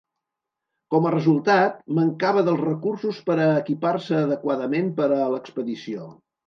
Com a resultat, mancava dels recursos per a equipar-se adequadament per a l'expedició.